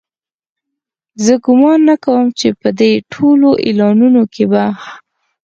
زه ګومان نه کوم چې په دې ټولو اعلانونو کې به.